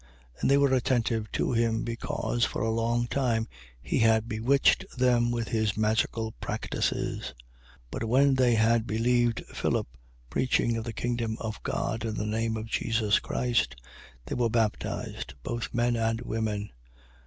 8:11. And they were attentive to him, because, for a long time, he had bewitched them with his magical practices. 8:12. But when they had believed Philip preaching of the kingdom of God, in the name of Jesus Christ, they were baptized, both men and women.